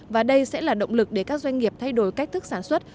và đây sẽ là động lực để các doanh nghiệp thay đổi cách thức sản xuất